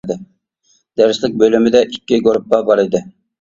دەرسلىك بۆلۈمىدە ئىككى گۇرۇپپا بار ئىدى.